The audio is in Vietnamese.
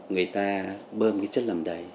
người ta bơm chất làm đầy